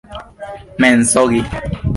mensogi